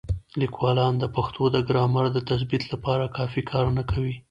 لیکوالان د پښتو د ګرامر د تثبیت لپاره کافي کار نه کوي.